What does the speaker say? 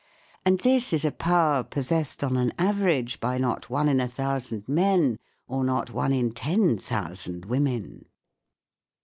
And this is a power possessed on an average by not one in a thousand men or not one in ten thousand women.